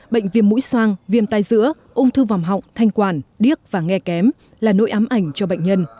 bệnh viêm mũi soang viêm tai giữa ung thư vòng họng thanh quản điếc và nghe kém là nỗi ám ảnh cho bệnh nhân